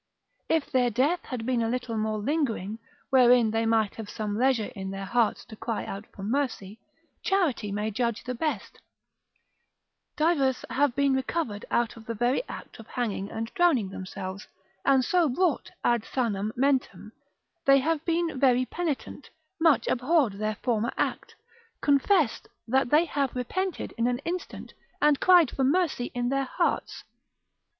If their death had been a little more lingering, wherein they might have some leisure in their hearts to cry for mercy, charity may judge the best; divers have been recovered out of the very act of hanging and drowning themselves, and so brought ad sanam mentem, they have been very penitent, much abhorred their former act, confessed that they have repented in an instant, and cried for mercy in their hearts.